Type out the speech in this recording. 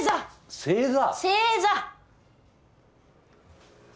正座。